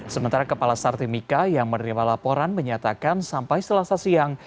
sementara kepala sartimika yang menerima laporan menyatakan sampai selasa siang